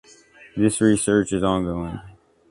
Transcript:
This research is ongoing.